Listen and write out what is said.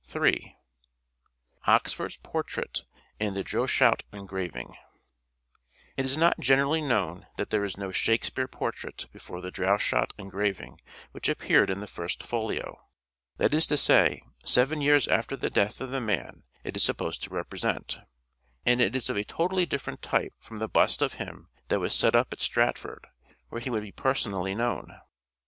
Ill OXFORD'S PORTRAIT AND THE DROESHOUT ENGRAVING It is not generally known that there is no Shake speare portrait before the Droeshout engraving which appeared in the First Folio : that is to say, seven years after the death of the man it is supposed to represent ; and it is of a totally different type from the bust of him that was set up at Stratford, where he would be personally known.